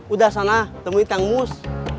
udah sana temui kang mus